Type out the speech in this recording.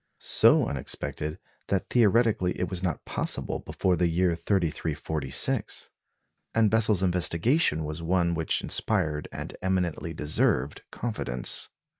So unexpected that theoretically it was not possible before the year 3346; and Bessel's investigation was one which inspired and eminently deserved confidence.